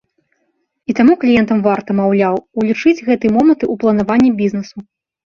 І таму кліентам варта, маўляў, улічыць гэтыя моманты ў планаванні бізнэсу.